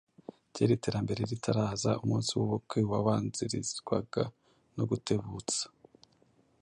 Kera iterambere ritaraza, umunsi w’ubukwe wabanzirizwaga no gutebutsa.